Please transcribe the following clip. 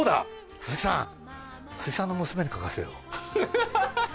鈴木さん、鈴木さんの娘に書かせよう。